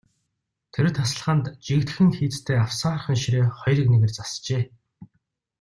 Тэр тасалгаанд жигдхэн хийцтэй авсаархан ширээ хоёр эгнээгээр засжээ.